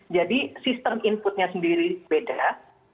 jadi sistem inputnya sendiri beda